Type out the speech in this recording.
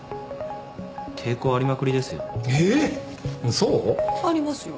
そう？ありますよ。